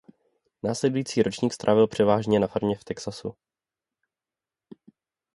Následující ročník strávil převážně na farmě v Texasu.